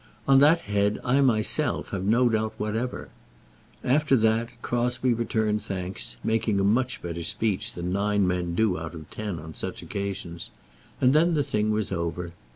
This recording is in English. On that head I myself have no doubt whatever. After that Crosbie returned thanks, making a much better speech than nine men do out of ten on such occasions, and then the thing was over.